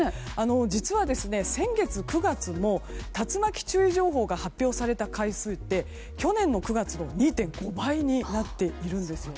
実は、先月９月も竜巻注意情報が発表された回数って去年の９月の２．５倍になっているんです。